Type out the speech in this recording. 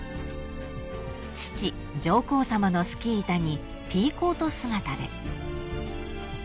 ［父上皇さまのスキー板にピーコート姿で］